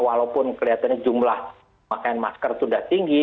walaupun kelihatannya jumlah pakaian masker sudah tinggi